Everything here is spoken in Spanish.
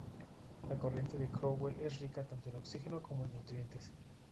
La corriente de Cromwell es rica tanto en oxígeno como en nutrientes.